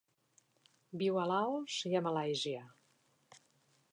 Viu a Laos i Malàisia.